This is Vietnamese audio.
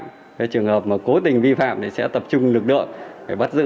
đối với những trường hợp có dấu hiệu hoạt động vi phạm chúng tôi cũng đã phối hợp với lực lượng công an cơ sở